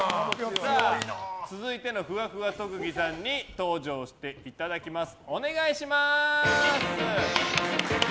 続いてのふわふわ特技さんに登場していただきます。